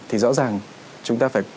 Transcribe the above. thì rõ ràng chúng ta phải